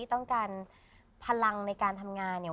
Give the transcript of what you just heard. ต้องการพลังในการทำงานเนี่ย